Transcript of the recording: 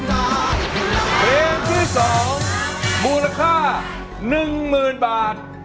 เพลงที่๒มูลค่า๑๐๐๐บาท